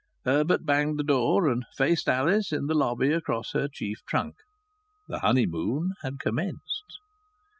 Herbert banged the door and faced Alice in the lobby across her chief trunk. The honeymoon had commenced.